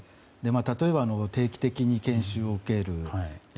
例えば、定期的に研修を受ける。